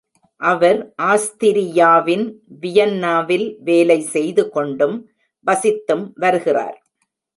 அவர் ஆஸ்திரியாவின் வியன்னாவில் வேலை செய்து கொண்டும் வசித்தும் வருகிறார்.